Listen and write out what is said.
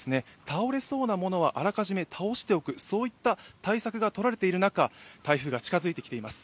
倒れそうなものは、あらかじめ倒しておく、そういった対策が取られているなか、台風が近づいてきています。